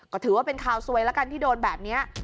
ก็ถือว่าเป็นข่าวซวยแล้วกันที่โดนแบบนี้